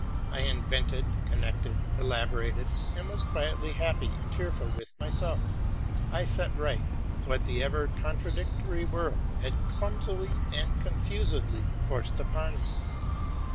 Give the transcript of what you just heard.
T invented, connected, elaborated, and was quietly happy and cheerful with myself: I set right what the ever contradictory world had clumsily and confusedly forced upon me.